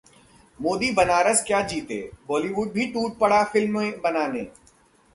मोदी बनारस क्या जीते बॉलीवुड भी टूट पड़ा फिल्में बनाने